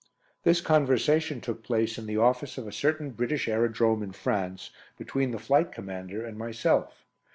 This conversation took place in the office of a certain British aerodrome in France between the Flight Commander and myself.